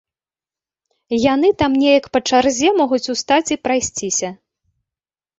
Яны там неяк па чарзе могуць устаць і прайсціся.